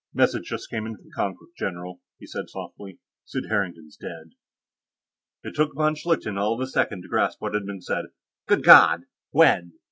"Message just came in from Konkrook, general," he said softly. "Sid Harrington's dead." It took von Schlichten all of a second to grasp what had been said. "Good God! When?